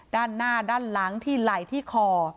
ด้านหน้าด้านหลังที่ไหล่ที่คอ